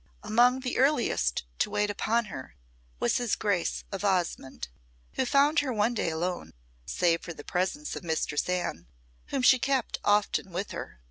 Among the earliest to wait upon her was his Grace of Osmonde, who found her one day alone, save for the presence of Mistress Anne, whom she kept often with her.